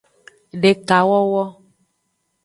Dekawowo.